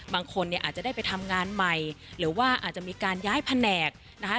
บางคนเนี่ยอาจจะได้ไปทำงานใหม่หรือว่าอาจจะมีการย้ายแผนกนะคะ